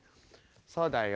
「そうだよ。